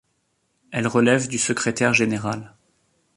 Elle relève du secrétaire général.